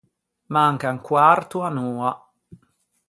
Manca un quarto à unn’oa.